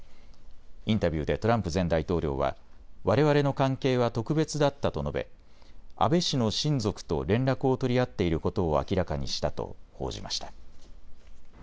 インタビューでトランプ前大統領はわれわれの関係は特別だったと述べ、安倍氏の親族と連絡を取り合っていることを明らかにしたと報じました。